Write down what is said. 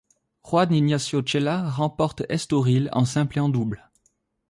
Juan Ignacio Chela remporte Estoril en simple et en double.